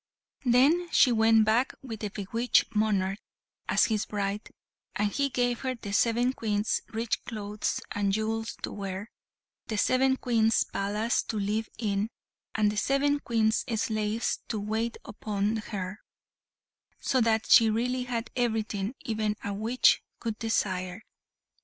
Then she went back with the bewitched monarch, as his bride, and he gave her the seven Queens' rich clothes and jewels to wear, the seven Queens' palace to live in, and the seven Queens' slaves to wait upon her; so that she really had everything even a witch could desire.